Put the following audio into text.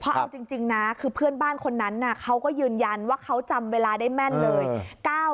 เอาจริงนะคือเพื่อนบ้านคนนั้นเขาก็ยืนยันว่าเขาจำเวลาได้แม่นเลย